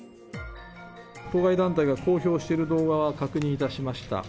当該団体が公表している動画は確認いたしました。